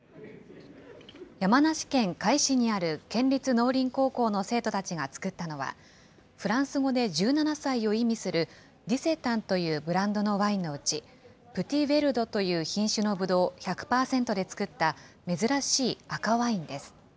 山梨県甲斐市にある県立農林高校の生徒たちが造ったのは、フランス語で１７歳を意味するディセタンというブランドのワインのうち、プティ・ヴェルドという品種のブドウ１００％で造った珍しい赤ワインです。